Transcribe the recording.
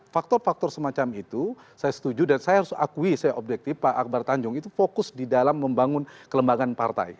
faktor faktor semacam itu saya setuju dan saya harus akui saya objektif pak akbar tanjung itu fokus di dalam membangun kelembagaan partai